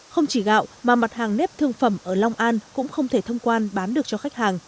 không chỉ gạo mà mặt hàng nếp thương phẩm ở long an cũng không thể thông quan bán được cho khách hàng